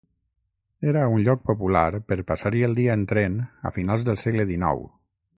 Era un lloc popular per passar-hi el dia en tren a finals del segle dinou.